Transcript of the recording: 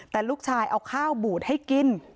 แต่ลูกชายเอาข้าวบูดให้กิน